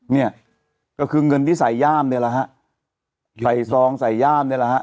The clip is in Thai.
เนี่ยก็คือเงินที่ใส่ย่ามเนี่ยแหละฮะใส่ซองใส่ย่ามเนี่ยแหละฮะ